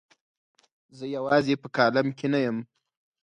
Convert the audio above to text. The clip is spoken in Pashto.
زه یوازې په کالم کې نه یم.